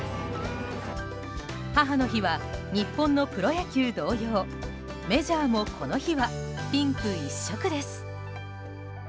母の日は、日本のプロ野球同様メジャーもこの日はピンク一色です。